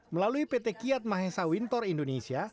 melalui pt kiat mahesawintor indonesia